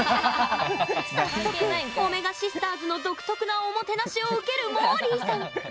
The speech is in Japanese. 早速、おめがシスターズの独特なおもてなしを受けるもーりーさん。